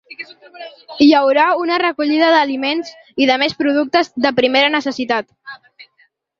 Hi haurà una recollida d’aliments i de més productes de primera necessitat.